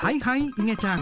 いげちゃん。